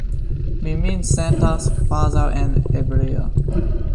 Mi min sentas kvazaŭ en ebrio.